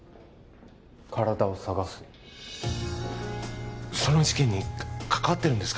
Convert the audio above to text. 体を捜すその事件に関わってるんですか？